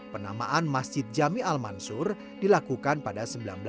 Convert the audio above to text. penamaan masjid jami' al mansur dilakukan pada seribu sembilan ratus enam puluh tujuh